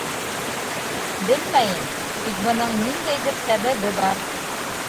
Белмәйем, тик бының ниндәйҙер сәбәбе бар.